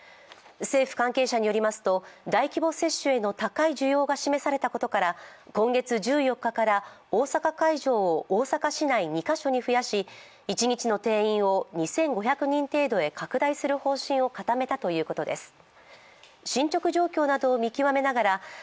政府関係者によりますと、大規模接種への高い需要が示されたことから今月１４日から大阪会場を大阪市内２カ所に増やし一日の定員を２５００人程度に拡大する方針を固めたということです。